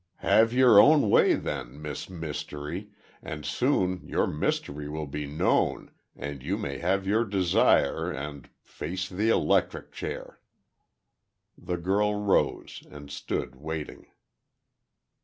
Have your own way, then, Miss Mystery—and soon your mystery will be known and you may have your desire, and—face the electric chair!" The girl rose, and stood, waiting.